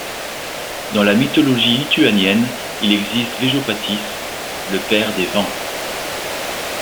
Dans mythologie lituanienne il existe Vėjopatis, le père des vents.